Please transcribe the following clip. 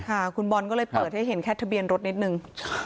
ค่ะคุณบอลก็เลยเปิดให้เห็นแค่ทะเบียนรถนิดนึง